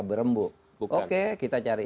berembu oke kita cari